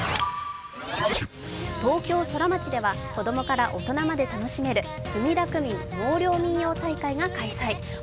東京ソラマチでは子供から大人まで楽しめる墨田区民納涼民踊大会が開催。